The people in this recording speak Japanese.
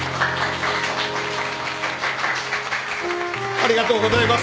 ありがとうございます。